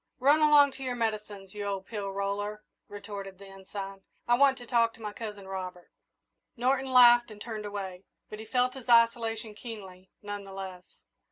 "Run along to your medicines, you old pill roller," retorted the Ensign; "I want to talk to my cousin Robert." Norton laughed and turned away, but he felt his isolation keenly, none the less.